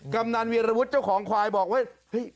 กำนานเวียราวุทธ์เจ้าของควายบอกว่า